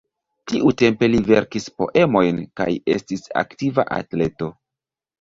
Tiutempe li verkis poemojn kaj estis aktiva atleto.